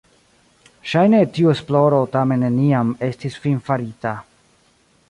Ŝajne tiu esploro tamen neniam estis finfarita.